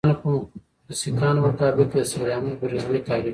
د سیکهانو په مقابل کې د سید احمدبرېلوي تحریک وو.